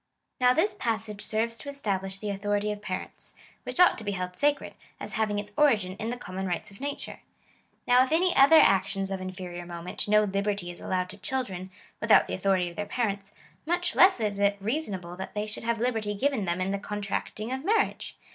^Now this passage serves to establish the authority of parents, which ought to be held sacred, as having its origin in the common rights of nature. Now if in other actions of inferior moment no liberty is allowed to children, without the authority of their parents, much less is it reasonable that they should have liberty given them in the contracting of marriage.